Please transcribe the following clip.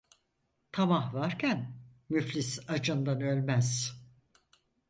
Tamah varken müflis acından ölmez.